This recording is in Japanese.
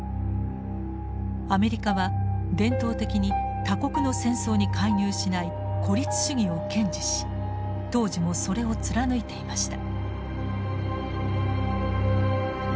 アメリカは伝統的に他国の戦争に介入しない孤立主義を堅持し当時もそれを貫いていました。